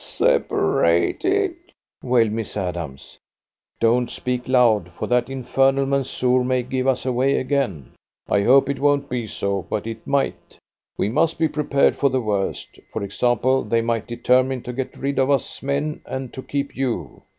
"Separated!" wailed Miss Adams. "Don't speak loud, for that infernal Mansoor may give us away again. I hope it won't be so, but it might. We must be prepared for the worst. For example, they might determine to get rid of us men and to keep you."